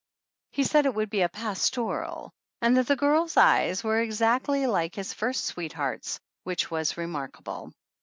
He said it would be a "pastoral," and that the girl's eyes were exact 84 THE ANNALS OF ANN iy like his first sweetheart's, which was re markable.